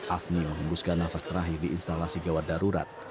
afni mengembuskan nafas terakhir di instalasi gawat darurat